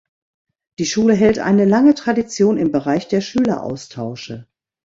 Die Schule hält eine lange Tradition im Bereich der Schüleraustausche.